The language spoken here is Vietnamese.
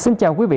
xin chào quý vị